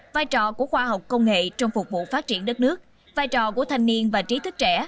vai trò của khoa học công nghệ trong phục vụ phát triển đất nước vai trò của thanh niên và trí thức trẻ